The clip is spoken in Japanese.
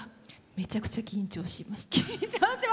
めちゃくちゃ緊張しました。